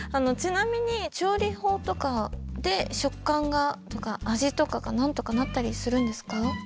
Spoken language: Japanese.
ちなみに調理法とかで食感がとか味とかがなんとかなったりするんですか？